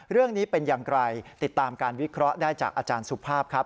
เรื่องนี้เป็นอย่างไรติดตามการวิเคราะห์ได้จากอาจารย์สุภาพครับ